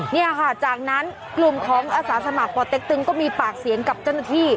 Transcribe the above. เนี่ยค่ะจากนั้นกลุ่มของอาสาสมัครป่อเต็กตึงก็มีปากเสียงกับเจ้าหน้าที่